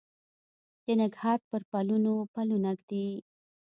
د نګهت پر پلونو پلونه ږدي